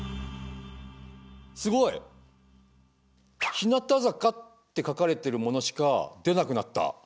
すごい！日向坂って書かれてるものしか出なくなった。